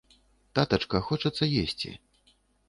Татачка, хочацца есцi...